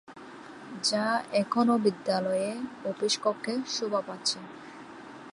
যা এখনও বিদ্যালয়ের অফিস কক্ষে শোভা পাচ্ছে।